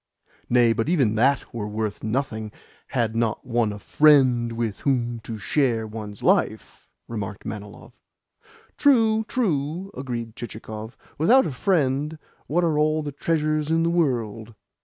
"Nay, but even THAT were worth nothing had not one a friend with whom to share one's life," remarked Manilov. "True, true," agreed Chichikov. "Without a friend, what are all the treasures in the world?